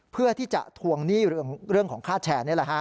เพื่อที่จะทวงหนี้เรื่องของฆาตแฉน